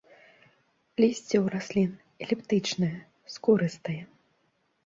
Лісце ў раслін эліптычнае, скурыстае.